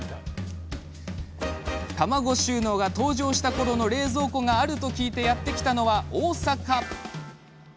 卵収納が登場したころの冷蔵庫があると聞いてやって来たのは大阪。